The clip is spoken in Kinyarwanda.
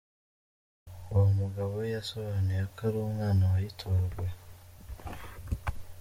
Uwo mugabo we yasobanuye ko ari umwana wayitoraguye.